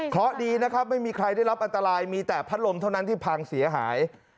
เพราะดีนะครับไม่มีใครได้รับอันตรายมีแต่พัดลมเท่านั้นที่พังเสียหาย